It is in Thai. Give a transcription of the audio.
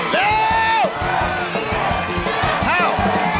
เร็ว